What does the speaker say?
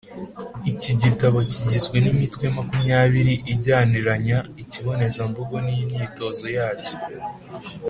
Iki gitabo kigizwe n’imitwe makumyabiri ijyaniranya ikibonezamvugo n’imyitozo yacyo.